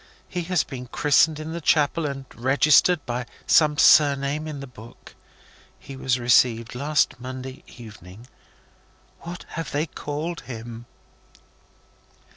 He has been christened in the chapel, and registered by some surname in the book. He was received last Monday evening. What have they called him?"